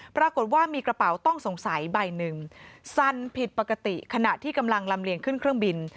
ปรากฏว่ามีกระเป๋าต้องสงสัยใบหนึ่งสั่นผิดปกติขณะที่กำลังลำเลียงขึ้นเครื่องบิน